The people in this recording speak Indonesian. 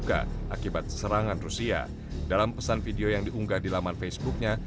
kota kota yang menembus perjalanan menjelaskan ke kota